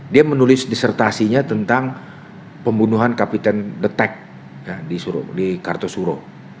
dia menulis disertasinya tentang pembunuhan kapitan the tag di kartosuro